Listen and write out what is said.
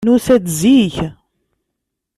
Nusa-d zik.